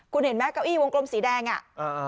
คุณเห็นไหมเก้าอี้วงกลมสีแดงอ่ะอ่า